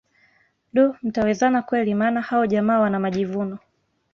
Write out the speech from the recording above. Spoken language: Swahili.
Duh mtawezana kweli maana hao jamaa wana majivuno